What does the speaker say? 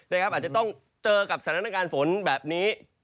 อาจจะต้องเจอกับสถานการณ์ฝนแบบนี้